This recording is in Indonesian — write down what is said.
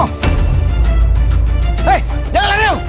hei jangan lari yuk